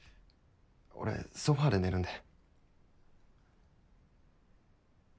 俺ソファーで寝るんで。